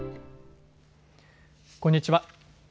こんにちは。